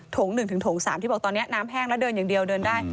ง๑ถึงโถง๓ที่บอกตอนนี้น้ำแห้งแล้วเดินอย่างเดียวเดินได้